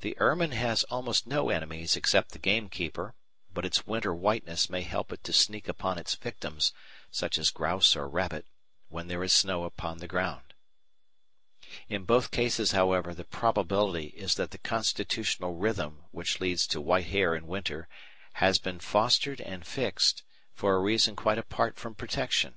The ermine has almost no enemies except the gamekeeper, but its winter whiteness may help it to sneak upon its victims, such as grouse or rabbit, when there is snow upon the ground. In both cases, however, the probability is that the constitutional rhythm which leads to white hair in winter has been fostered and fixed for a reason quite apart from protection.